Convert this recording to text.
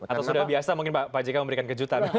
atau sudah biasa mungkin pak jk memberikan kejutan